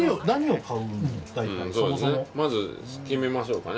まず決めましょうかね。